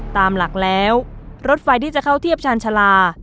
ตามหลักแล้วรถไฟที่จะเข้าเทียบชาญชาลา